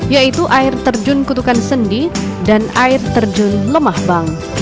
yaitu air terjun kutukan sendi dan air terjun lemah bang